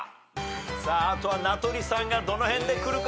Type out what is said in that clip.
さああとは名取さんがどの辺でくるか。